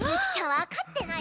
わかってない。